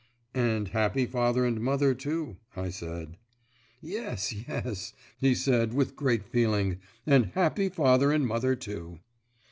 "And happy father and mother, too," I said. "Yes, yes," he said, with great feeling, "and happy father and mother too."